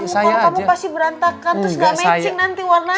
kalau kamu pasti berantakan terus gak matching nanti warnanya